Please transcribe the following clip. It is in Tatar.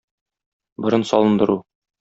Борын салындыру.